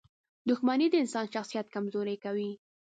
• دښمني د انسان شخصیت کمزوری کوي.